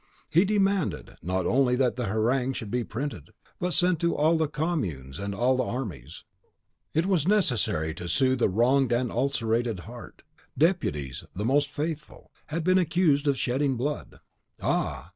He demanded, not only that the harangue should be printed, but sent to all the communes and all the armies. It was necessary to soothe a wronged and ulcerated heart. Deputies, the most faithful, had been accused of shedding blood. "Ah!